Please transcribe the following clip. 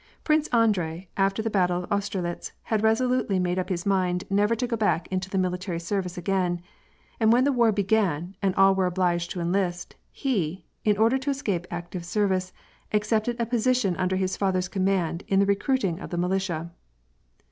Prince Andrei after the battle of Austerlitz had resolutely made up his mind never to go back into the military service again ; and when the war began, and all were obliged to enlist, he, in order to escape active service, accepted a position under his father's command in the recruiting of the militia.